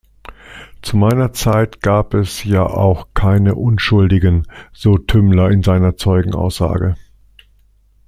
Zu meiner Zeit gab es ja auch keine Unschuldigen“, so Thümmler in seiner Zeugenaussage.